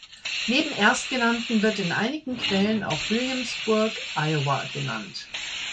Neben erstgenannten wird in einigen Quellen auch Williamsburg, Iowa genannt.